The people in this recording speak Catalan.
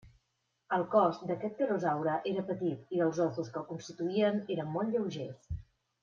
El cos d'aquest pterosaure era petit i els ossos que el constituïen eren molt lleugers.